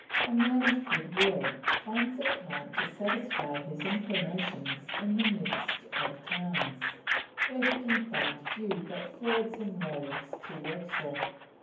A man of good will finds it hard to satisfy his inclinations in the midst of towns, where he can find few but frauds and rogues to work for.